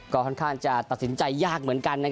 ก็ค่อนข้างจะตัดสินใจยากเหมือนกัน